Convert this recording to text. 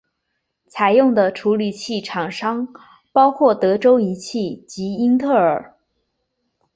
采用的处理器厂商包括德州仪器及英特尔。